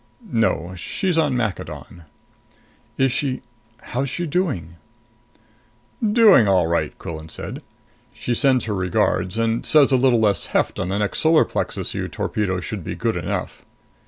"No. She's on Maccadon." "Is she how's she doing?" "Doing all right," Quillan said. "She sends her regards and says a little less heft on the next solar plexus you torpedo should be good enough."